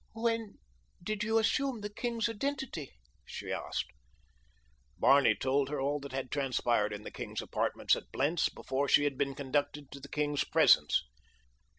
"When did you assume the king's identity?" she asked. Barney told her all that had transpired in the king's apartments at Blentz before she had been conducted to the king's presence.